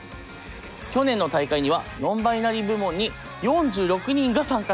去年の大会にはノンバイナリー部門に４６人が参加したよ。